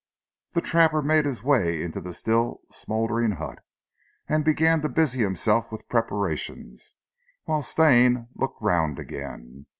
The trapper made his way into the still smouldering hut, and began to busy himself with preparations, whilst Stane looked round again.